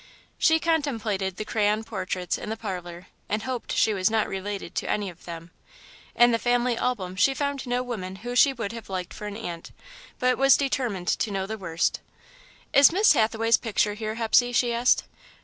She contemplated the crayon portraits in the parlour and hoped she was not related to any of them. In the family album she found no woman whom she would have liked for an aunt, but was determined to know the worst. "Is Miss Hathaway's picture here, Hepsey?" she asked.